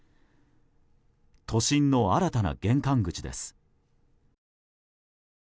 都心の新たな玄関口です。